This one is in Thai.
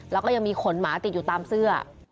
แล้วก็ยังมีขนหมาติดอยู่ตามเสื้อ